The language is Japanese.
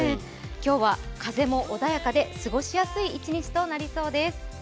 今日は風も穏やかで過ごしやすい一日となりそうです。